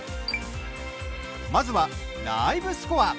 まずは、ライブスコア。